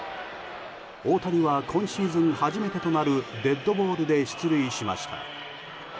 大谷は今シーズン初めてとなるデッドボールで出塁しました。